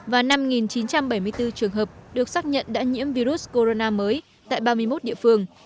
và năm chín trăm bảy mươi bốn trường hợp được xác nhận đã nhiễm virus corona mới tại ba mươi một địa phương